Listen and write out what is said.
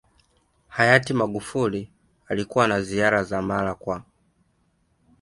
Hayati Magufuli alikuwa na ziara za mara kwa